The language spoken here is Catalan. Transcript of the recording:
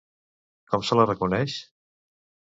Com se la reconeix?